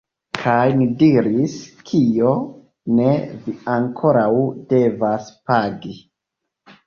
Kaj ni diris: Kio? Ne, vi ankoraŭ devas pagi.